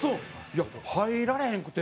いや入られへんくて。